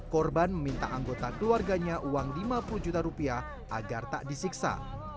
korban meminta anggota keluarganya uang lima puluh juta rupiah agar tak disiksa